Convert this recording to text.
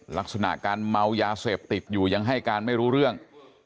ลักษณะการเมายาเสพติดอยู่ยังให้การไม่รู้เรื่อง